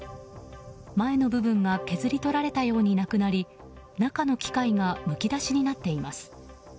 前の部分が削り取られたようになくなり中の機械がむき出しになっています。